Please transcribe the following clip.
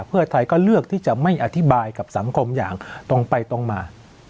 เพื่อไทยก็เลือกที่จะไม่อธิบายกับสังคมอย่างตรงไปตรงมา